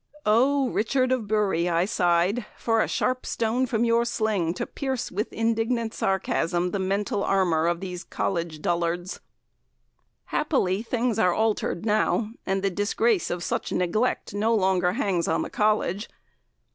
Oh! Richard of Bury, I sighed, for a sharp stone from your sling to pierce with indignant sarcasm the mental armour of these College dullards. Happily, things are altered now, and the disgrace of such neglect no longer hangs on the College.